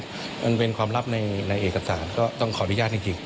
มันเป็นความลับในเอกสารก็ต้องขออนุญาตจริง